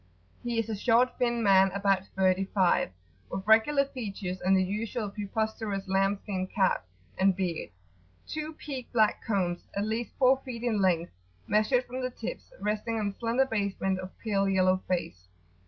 He is a short, thin man about thirty five, with regular features and the usual preposterous lamb skin cap and beard, two peaked black cones at least four feet in length, measured from the tips, resting on a slender basement of pale yellow face.